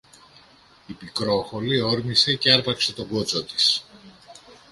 Η Πικρόχολη όρμησε και άρπαξε τον κότσο της.